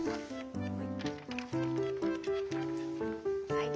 はい。